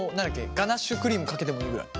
ガナッシュクリームかけてもいいぐらい。